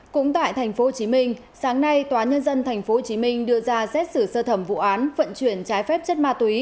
cũng tại tp hcm sáng nay tòa nhân dân tp hcm đưa ra xét xử sơ thẩm vụ án vận chuyển trái phép chất ma túy